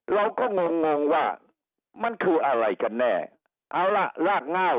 งงงงงว่ามันคืออะไรกันแน่เอาล่ะรากเง่า